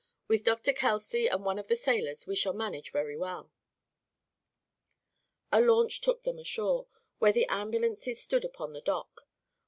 "With Dr. Kelsey and one of the sailors we shall manage very well." A launch took them ashore, where the ambulances stood upon the dock.